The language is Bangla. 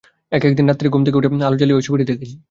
এক-একদিন রাত্তিরে ঘুম থেকে উঠে আলো জ্বালিয়ে ঐ ছবিটি দেখেছি।